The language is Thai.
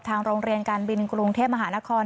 โรงเรียนการบินกรุงเทพมหานคร